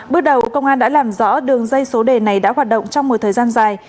bước đầu công an đã làm rõ đường dây số đề này đã hoạt động trong một thời gian dài